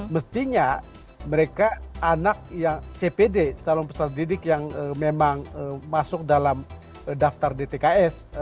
mestinya mereka anak yang cpd calon peserta didik yang memang masuk dalam daftar dtks